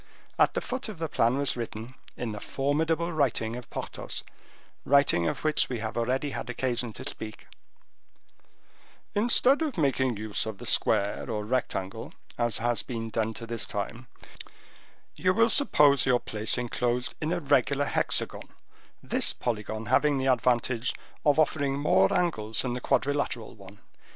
At the foot of the plan was written, in the formidable writing of Porthos, writing of which we have already had occasion to speak:— "Instead of making use of the square or rectangle, as has been done to this time, you will suppose your place inclosed in a regular hexagon, this polygon having the advantage of offering more angles than the quadrilateral one.